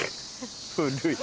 古い。